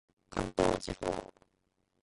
関東地方